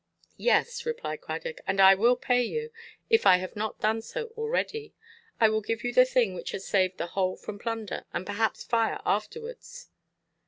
"Yes," replied Cradock; "and I will pay you, if I have not done so already. I will give you the thing which has saved the whole from plunder, and perhaps fire afterwards."